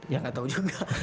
ya nggak tau juga